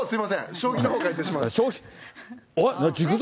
将棋のほう、解説します。